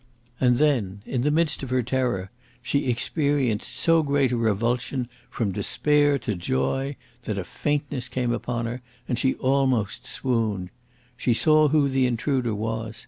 And then, in the midst of her terror, she experienced so great a revulsion from despair to joy that a faintness came upon her, and she almost swooned. She saw who the intruder was.